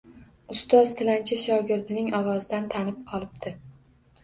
Ustoz tilanchi shogirdining ovozidan tanib qolibdi.